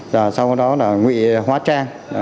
rồi sau đó là nguyện hóa trang